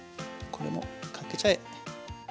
これもかけちゃえ。